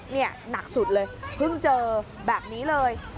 นี่หนักสุดเลยเพิ่งเจอแบบนี้เลย